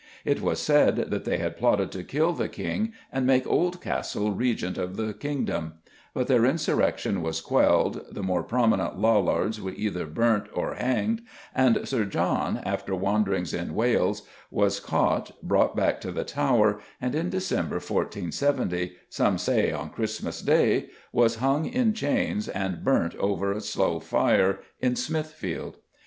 It was said that they had plotted to kill the King and make Oldcastle Regent of the kingdom; but their insurrection was quelled, the more prominent Lollards were either burnt or hanged, and Sir John, after wanderings in Wales, was caught, brought back to the Tower, and in December 1417, some say on Christmas Day, was hung in chains and burnt "over a slow fire" in Smithfield.